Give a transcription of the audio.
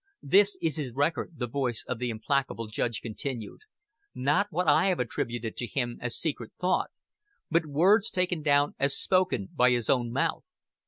"This is his record," the voice of the implacable Judge continued; "not what I have attributed to him as secret thought, but words taken down as spoken by his own mouth.